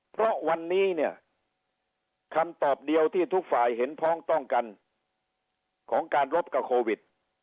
เพราะวันนี้เนี่ยคำตอบเดียวที่ทุกฝ่ายเห็นพ้องต้องกันของการรบกับโควิด